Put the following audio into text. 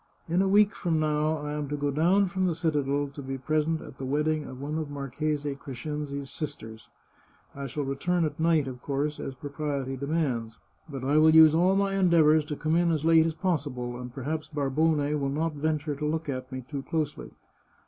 In a week from now I am to go down from the citadel to be present at the wedding of one of the Marchese Crescenzi's sisters. I shall return at night, of course, as propriety demands. But I will use all my endeavours to come in as late as possible, and perhaps Barbone will not venture to look at me too closely.